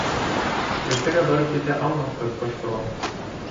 — Иртәгә барып етә алмаҫбыҙ, ҡошсоғом.